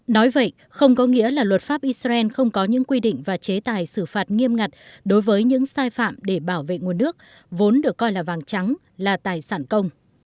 nói vậy không có nghĩa là luật pháp israel không có những quy định và chế tài xử phạt nghiêm ngặt đối với những sai phạm để bảo vệ nguồn nước vốn được coi là vàng trắng là tài sản công